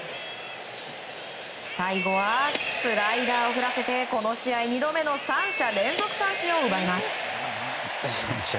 最後はスライダーを振らせてこの試合２度目の三者連続三振を奪います。